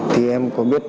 thì em có biết